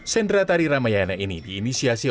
sendera tari ramayana ini diinisiasi